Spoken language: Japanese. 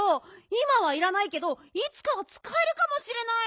いまはいらないけどいつかはつかえるかもしれない。